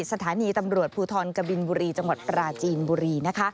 สถานีตำรวจภูทรกบินบุรีจังหวัดปราจีนบุรีนะคะ